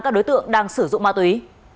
các đối tượng đang sử dụng ma túy